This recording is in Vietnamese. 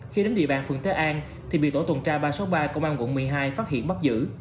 khi đến địa bàn phường thế an thì bị tổ tuần tra ba trăm sáu mươi ba công an quận một mươi hai phát hiện bắt giữ